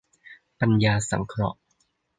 ปัญญาสังเคราะห์